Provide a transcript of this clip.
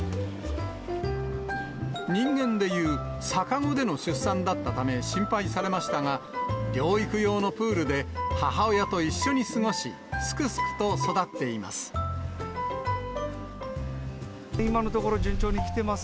人間でいう逆子での出産だったため、心配されましたが、療育用のプールで、母親と一緒に過ごし、すくすくと育っています。